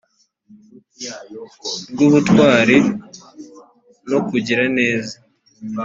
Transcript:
rw ubutwari no kugira neza